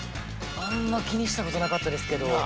あんま気にしたことなかったですけど。